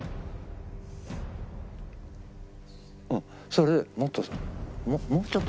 それもっと。